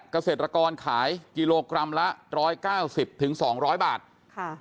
เกษตรกรขายกิโลกรัมละร้อยเก้าสิบถึงสองร้อยบาทค่ะ